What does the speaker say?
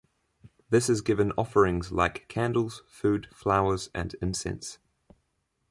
This is given offerings like candles, food, flowers, and incense.